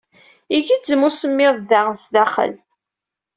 Igezzem usemmiḍ da sdaxel.